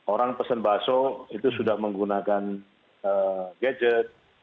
orang pesen baso itu sudah menggunakan gadget